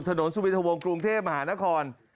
ถนนสุมิทวงศ์กรุงเทพฯมหานคร